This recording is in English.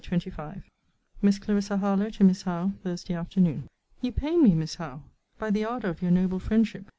LETTER XXV MISS CLARISSA HARLOWE, TO MISS HOWE THURSDAY AFTERNOON. You pain me, Miss Howe, by the ardour of your noble friendship.